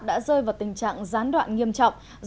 đã rơi vào tình trạng gián đoạn nghiêm trọng